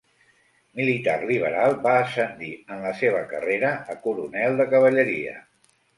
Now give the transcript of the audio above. Militar liberal, va ascendir en la seva carrera a coronel de cavalleria.